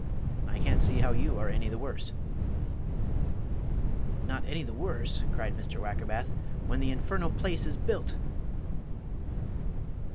I can't see how you are any the worse." "Not any the worse?" cried Mr. Wackerbath, "when the infernal place is built!"